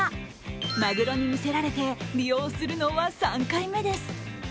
マグロにみせられて、利用するのは３回目です。